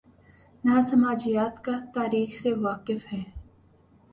نہ سماجیات کا" تاریخ سے واقف ہیں۔